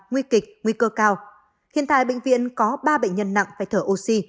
nguy kịch nguy cơ cao hiện tại bệnh viện có ba bệnh nhân nặng phải thở oxy